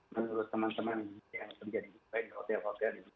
menurut teman teman yang kerja di dubai di hotel hotel di dubai